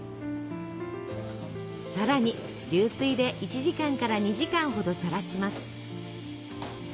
さらに流水で１時間から２時間ほどさらします。